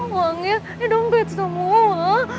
uangnya dompet semua